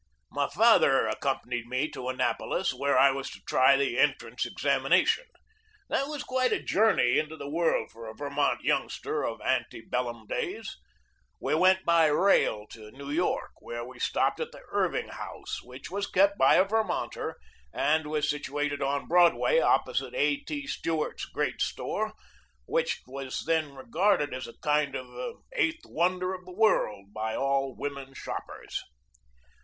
My father accompanied me to Annapolis, where I was to try the entrance examination. That was quite a journey into the world for a Vermont young ster of ante bellum days. We went by rail to New York, where we stopped at the Irving House, which was kept by a Vermonter and was situated on Broad way, opposite A. T. Stewart's great store, which was then regarded as a kind of eighth wonder of the world by all women shoppers.